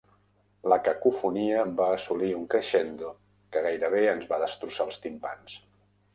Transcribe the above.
La cacofonia va assolir un crescendo que gairebé ens va destrossar els timpans.